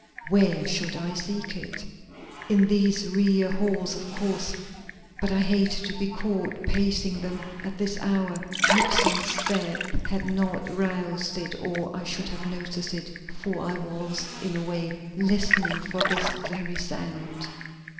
Where should I seek it? In these rear halls, of course, but I hated to be caught pacing them at this hour. Nixon's step had not roused it or I should have noticed it, for I was, in a way, listening for this very sound.